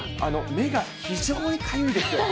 目が非常にかゆいです。